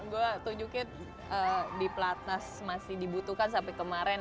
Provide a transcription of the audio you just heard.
gue tunjukin di platnas masih dibutuhkan sampai kemarin